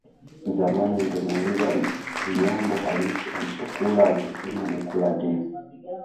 Zamani ungemuuliza Mnyambo halisi alichokula angesema amekula ndizi